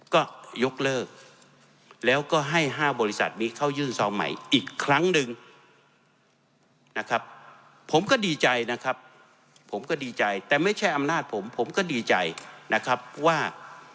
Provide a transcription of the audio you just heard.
ก็ยกเลิกแล้วก็ให้๕บริษัทนี้เข้ายื่นซองใหม่อีกครั้งหนึ่งนะครับผมก็ดีใจนะครับผมก็ดีใจแต่ไม่ใช่อำนาจผมผมก็ดีใจนะครับว่า